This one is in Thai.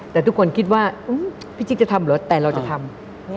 แต่ทุกคนคิดว่าพี่จิ๊กจะทำเหรอแต่เราจะทำ